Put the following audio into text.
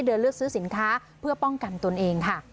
เลือกซื้อสินค้าเพื่อป้องกันตนเองค่ะ